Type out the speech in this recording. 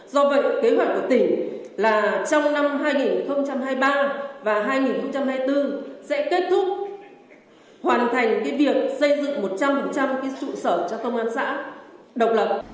do vậy kế hoạch của tỉnh là trong năm hai nghìn hai mươi ba và hai nghìn hai mươi bốn sẽ kết thúc hoàn thành việc xây dựng một trăm linh trụ sở cho công an xã độc lập